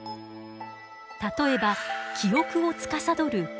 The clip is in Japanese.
例えば記憶をつかさどる海馬。